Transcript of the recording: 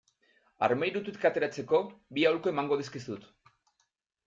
Armairutik ateratzeko bi aholku emango dizkizut.